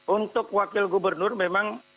untuk wakil gubernur memang